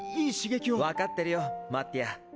分かってるよマッティア。